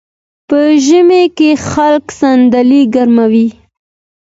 په ژمي کې خلک صندلۍ ګرموي.